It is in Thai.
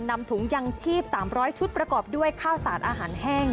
นำถุงยังชีพ๓๐๐ชุดประกอบด้วยข้าวสารอาหารแห้ง